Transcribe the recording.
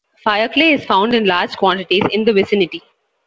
Fire clay is found in large quantities in the vicinity.